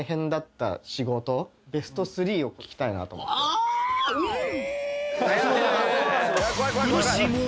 あうーん。